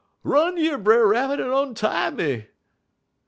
Run yer, Brer Rabbit, en ontie me!'